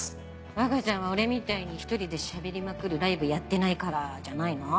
「若ちゃんは俺みたいに１人でしゃべりまくるライブやってないから」じゃないの？